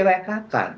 itu yang mereka akan